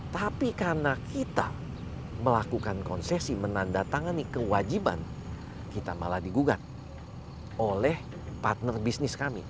tapi karena kita melakukan konsesi menandatangani kewajiban kita malah digugat oleh partner bisnis kami